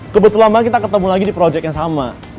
kebetulan banget kita ketemu lagi di project yang sama